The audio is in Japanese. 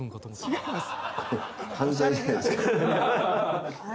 違います。